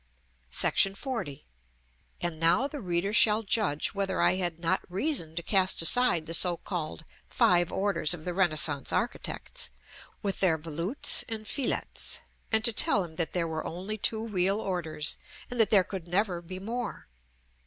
[Illustration: Plate XVIII. CAPITALS CONVEX GROUP.] § XL. And now the reader shall judge whether I had not reason to cast aside the so called Five orders of the Renaissance architects, with their volutes and fillets, and to tell him that there were only two real orders, and that there could never be more.